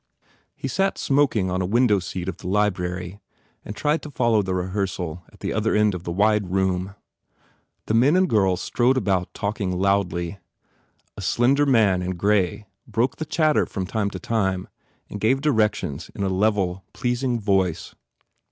He sat smoking on a window seat of the library and tried to follow the rehearsal at the other end of the wide room. The men and girls strode about talking loudly. A slender man in grey broke the chatter from time to time and gave directions in a level, pleasing voice.